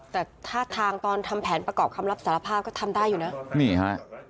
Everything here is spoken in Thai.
แต่ท่าทางตอนทำแผนประกอบคำรับสารภาพก็ทำได้อยู่นะนี่ฮะ